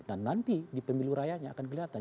dan nanti di pemiliu rayanya akan kelihatan